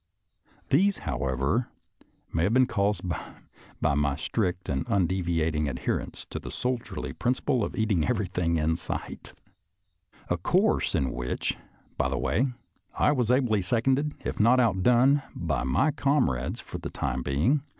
These, however, may have been caused by my strict and undeviating adherence to the soldierly principle of eating everything in sight — ^a course in which, by the way, I was ably seconded, if not outdone, by my comrades for the time being.